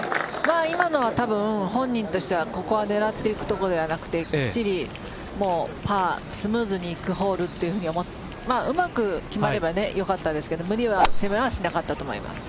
今のは多分本人としてはここは狙っていくところではなくてきっちりパースムーズにいくホールと思ってうまく決まればよかったですけど無理は、攻めはしなかったと思います。